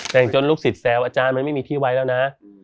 แต่งจนลูกศิษย์แซวอาจารย์มันไม่มีที่ไว้แล้วนะ